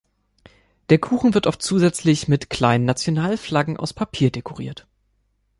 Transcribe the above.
Der Kuchen wird oft zusätzlich mit kleinen Nationalflaggen aus Papier dekoriert.